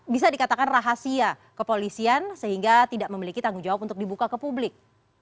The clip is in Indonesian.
bisa dikatakan rahasia kepolisian sehingga tidak memiliki tanggung jawab untuk dibuka ke publik